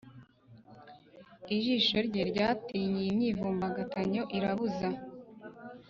ijisho rye, ryatinze iyi myivumbagatanyo irabuza,